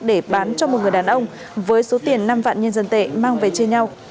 để bán cho một người đàn ông với số tiền năm vạn nhân dân tệ mang về chia nhau